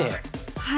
はい。